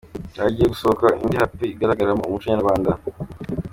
Hagiye gusohoka indi ’Happy’ igaragaramo Umuco Nyarwanda :.